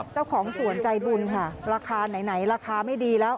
เจ้าของสวนใจบุญค่ะราคาไหนราคาไม่ดีแล้ว